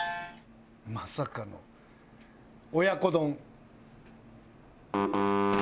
まさかの親子丼。